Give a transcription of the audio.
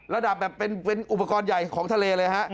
ระดับแบบเป็นอุปกรณ์ใหญ่ของทะเลเลยฮะ